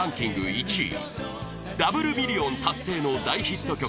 １位ダブルミリオン達成の大ヒット曲